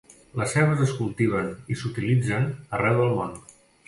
Les cebes es cultiven i s'utilitzen arreu del món.